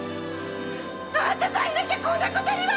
あんたさえいなきゃこんな事には！